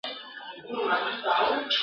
پر موسم د ارغوان به مي سفر وي !.